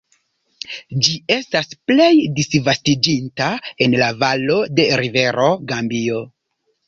Ĝi estas plej disvastiĝinta en la valo de rivero Gambio.